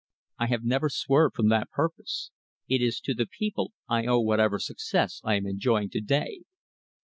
I have never swerved from that purpose. It is to the people I owe whatever success I am enjoying to day."